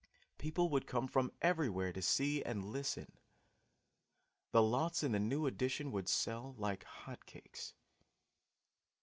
People would come from everywhere to see and listen. The lots in the new addition would sell like hot cakes.